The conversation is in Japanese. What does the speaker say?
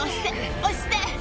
押して！